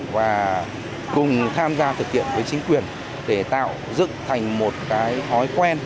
và cùng tham gia thực hiện với chính quyền để tạo dựng thành một cái thói quen